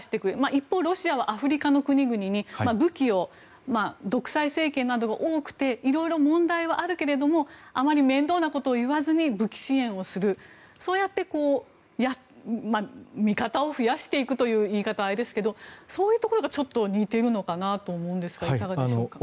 一方、ロシアはアフリカの国々に武器を独裁政権などが多くて色々問題あるけどもあまり面倒なことは言わずに武器支援をする、そうやって味方を増やしていくという言い方はあれですけれどそういうところが似てるのかなと思うんですがいかがでしょうか？